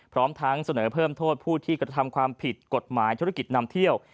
พร้อมทั้งเสนอเพิ่มโทษผู้ที่กระทำความผิดกฎหมายธุรกิจนำเที่ยว